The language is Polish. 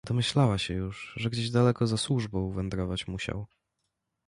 "Domyślała się już, że gdzieś daleko za służbą wędrować musiał."